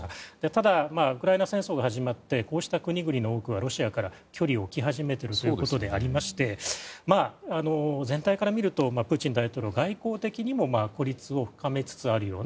ただ、ウクライナ戦争が始まってこうした国々の多くはロシアから距離を置き始めているということで全体から見るとプーチン大統領、外交的にも孤立を深めつつあるような。